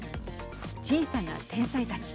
小さな天才たち。